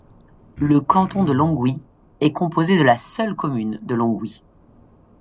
Le canton de Longwy est composé de la seule commune de Longwy.